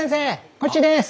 こっちです！